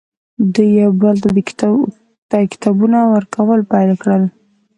دوی یو بل ته کتابونه ورکول پیل کړل